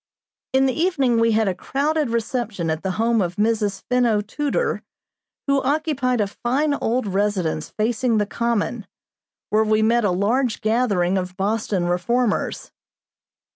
In the evening we had a crowded reception at the home of Mrs. Fenno Tudor, who occupied a fine old residence facing the Common, where we met a large gathering of Boston reformers.